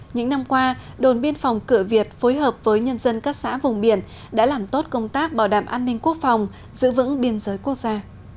những năm qua đồn biên phòng cửa việt phối hợp với nhân dân các xã vùng biển đã làm tốt công tác bảo đảm an ninh quốc phòng giữ vững biên giới quốc gia